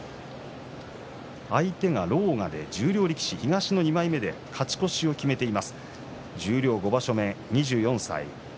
相手の狼雅は十両力士で東の２枚目で勝ち越しを決めています。